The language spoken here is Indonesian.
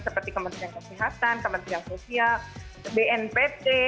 seperti kementerian kesehatan kementerian sosial bnpt